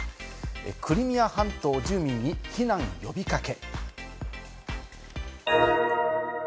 クリミア半島住民に避難呼び掛け。